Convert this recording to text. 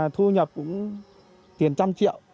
thu nhập cũng tiền trăm triệu